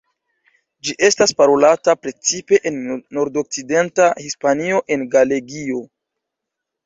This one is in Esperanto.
Ĝi estas parolata precipe en nordokcidenta Hispanio en Galegio.